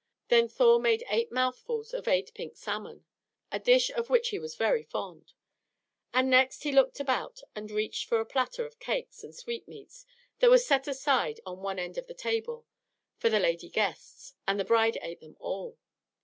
Then Thor made eight mouthfuls of eight pink salmon, a dish of which he was very fond. And next he looked about and reached for a platter of cakes and sweetmeats that was set aside at one end of the table for the lady guests, and the bride ate them all.